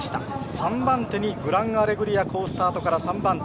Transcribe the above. ３番手にグランアレグリア好スタートから３番手。